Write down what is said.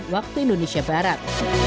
waktu indonesia barat